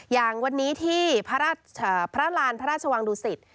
อย่างวันนี้ที่พระราชวางดุสิต